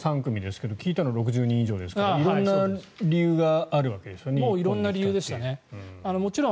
今回、取り上げたのは３組ですが聞いたのは６０人以上ですから色々な理由があるわけですよね。